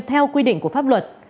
theo quy định của pháp luật